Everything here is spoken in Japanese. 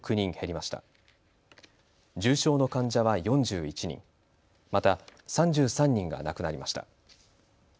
また３３人が亡くなりました。